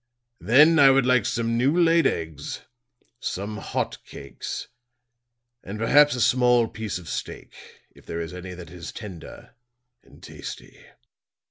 "Then I would like some new laid eggs, some hot cakes, and perhaps a small piece of steak, if there is any that is tender and tasty.